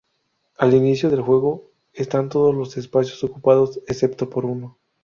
Al inicio del juego están todos los espacios ocupados, excepto por uno.